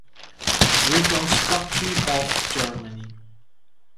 Reconstruction of Germany